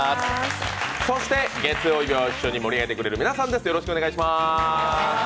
月曜日を一緒に盛り上げてくれる皆さんです。